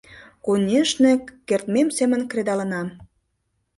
Конешне, кертмем семын кредалынам.